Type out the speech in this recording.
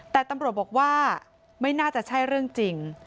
แต่ตำรวจบอกว่าไม่น่าจะใช่เรื่องจริง